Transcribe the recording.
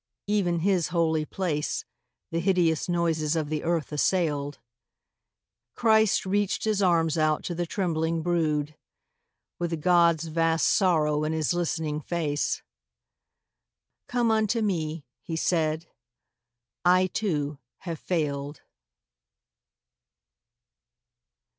(Even His holy place The hideous noises of the earth assailed.) Christ reached His arms out to the trembling brood, With God's vast sorrow in His listening face. Come unto Me,' He said; 'I, too, have failed.